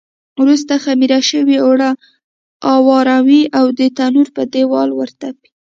وروسته خمېره شوي اوړه اواروي او د تنور پر دېوال ورتپي.